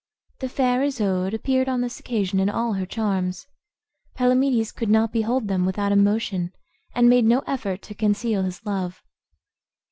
The fair Isoude appeared on this occasion in all her charms. Palamedes could not behold them without emotion, and made no effort to conceal his love.